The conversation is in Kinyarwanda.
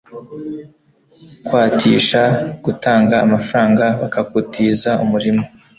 kwatisha gutanga amafaranga bakagutiza umurima